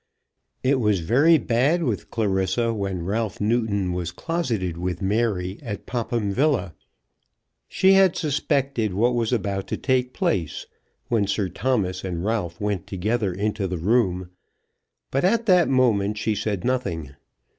It was very bad with Clarissa when Ralph Newton was closeted with Mary at Popham Villa. She had suspected what was about to take place, when Sir Thomas and Ralph went together into the room; but at that moment she said nothing.